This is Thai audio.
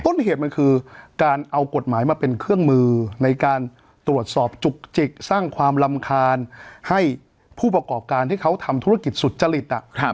ต้นเหตุมันคือการเอากฎหมายมาเป็นเครื่องมือในการตรวจสอบจุกจิกสร้างความรำคาญให้ผู้ประกอบการที่เขาทำธุรกิจสุจริต